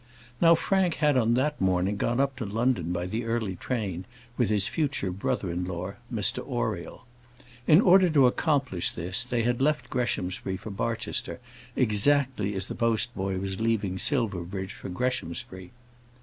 Now Frank had on that morning gone up to London by the early train, with his future brother in law, Mr Oriel. In order to accomplish this, they had left Greshamsbury for Barchester exactly as the postboy was leaving Silverbridge for Greshamsbury.